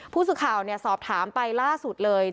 ผู้สื่อข่าวสอบถามไปล่าสุดเลย